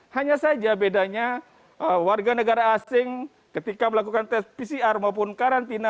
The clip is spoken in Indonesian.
hanya saja bedanya warga negara asing ketika melakukan tes pcr maupun karantina